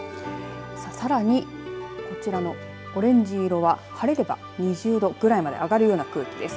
さらに、こちらのオレンジ色は晴れれば２０度ぐらいまで上がるような空気です。